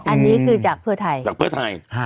อันนี้คือจากเพื่อไทย